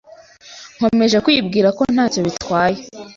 Nkomeje kwibwira ko ntacyo bitwaye.